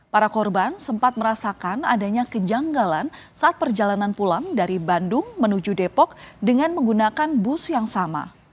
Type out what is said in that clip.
para korban sempat merasakan adanya kejanggalan saat perjalanan pulang dari bandung menuju depok dengan menggunakan bus yang sama